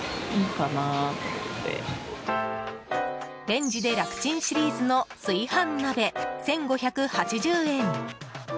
レンジで楽チンシリーズの炊飯鍋、１５８０円。